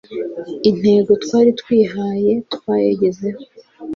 intego twari twihaye twayigezeho